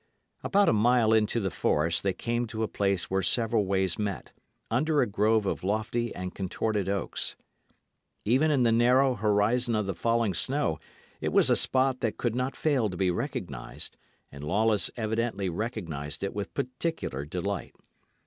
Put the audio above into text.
About a mile into the forest they came to a place where several ways met, under a grove of lofty and contorted oaks. Even in the narrow horizon of the falling snow, it was a spot that could not fail to be recognised; and Lawless evidently recognised it with particular delight.